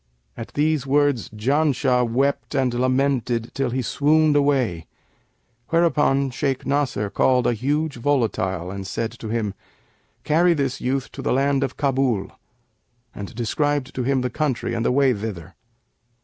At these words Janshah wept and lamented till he swooned away; whereupon Shaykh Nasr called a huge volatile and said to him, 'Carry this youth to the land of Kabul,' and described to him the country and the way thither.